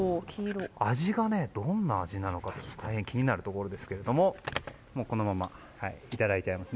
味がどんな味なのか気になるところですけどこのまま、いただいちゃいます。